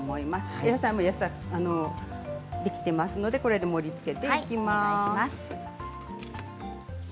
お野菜もできていますのでこれで盛りつけていきます。